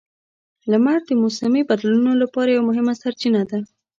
لمر د موسمي بدلونونو لپاره یوه مهمه سرچینه ده.